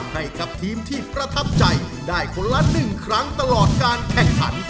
ให้กับทีมที่ประทับใจได้คนละ๑ครั้งตลอดการแข่งขัน